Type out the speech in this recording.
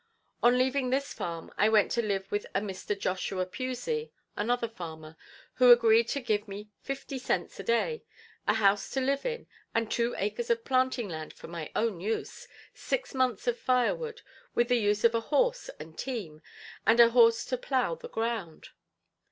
On leaving this farm I went to live with a Mr. Joshua Pusey, another farmer, who agreed to give me fifty cents a day, a house to live in and two acres of planting land for my own use, six months firewood, with the use of a horse and team, and a horse to plough the ground.